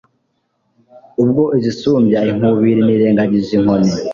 Ubwo izisumbya inkubiriNirengagije inkoni